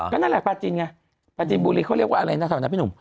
ก็นั่นแหละปลาจินไงปลาจินบุรีเขาเรียกว่าอะไรนะแถวนั้นพี่หนุ่ม